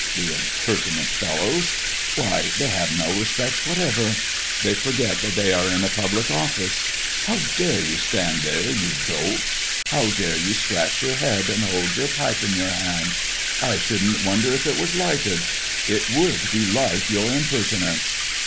The impertinent fellows! Why, they have no respect whatever! They forget that they are in a public office. How dare you stand there you dolt? How dare you scratch your head, and hold your pipe in your hand? I should'nt wonder if it was lighted it would be like your impertinence!